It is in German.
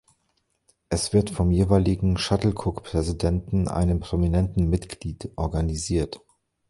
Es wird vom jeweiligen Shuttlecock-Präsidenten, einem prominenten Mitglied, organisiert.